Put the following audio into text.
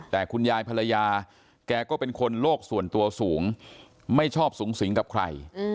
แต่คุณยายภรรยาแกก็เป็นคนโลกส่วนตัวสูงไม่ชอบสูงสิงกับใคร